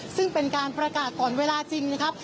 ซึ่งเป็นการประกาศก่อนเวลาจริงนะครับ